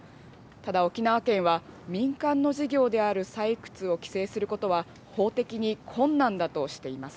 ただ、沖縄県は民間の事業である採掘を規制することは、法的に困難だとしています。